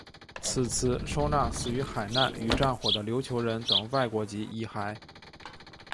此祠收纳死于海难与战火的琉球人等外国籍遗骸。